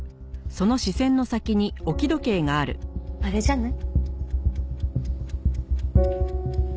あれじゃない？